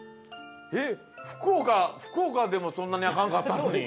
えっふくおかでもそんなにあかんかったのに。